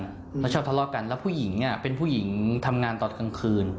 เขาชอบทะเลาะกันแล้วผู้หญิงเป็นผู้หญิงทำงานตอนกลางคืน